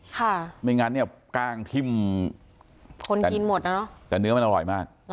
ไม่งั้นเนี่ยกล้างทิ้มคนกินหมดนะเนอะแต่เนื้อมันอร่อยมาก